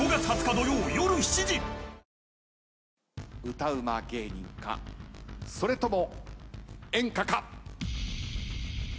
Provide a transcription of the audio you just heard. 歌ウマ芸人かそれとも演歌か。